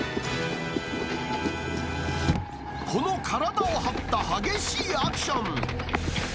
この体を張った激しいアクション。